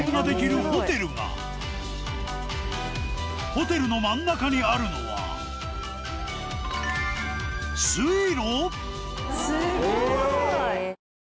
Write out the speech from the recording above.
ホテルの真ん中にあるのは水路！？